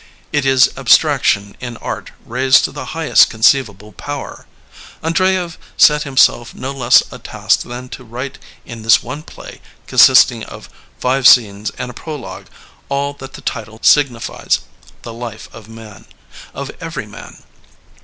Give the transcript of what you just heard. It is abstraction in art raised to the highest conceivable power. Andreyev set himself no less a task than to write in this one play, consisting of five scenes and a prologue, all that the title sig nifies : The Life of Man, of Everyman.